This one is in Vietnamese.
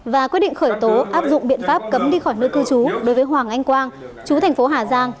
và quyết định khởi tố áp dụng biện pháp cấm đi khỏi nơi cư trú đối với hoàng anh quang chú thành phố hà giang